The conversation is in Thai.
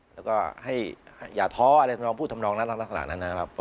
แล้วก็ให้อย่าท้ออะไรทำนองพูดทำนองน่ารักนั้นนะครับ